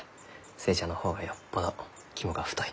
寿恵ちゃんの方がよっぽど肝が太い。